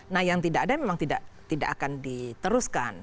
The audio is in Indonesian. nah yang tidak ada memang tidak akan diteruskan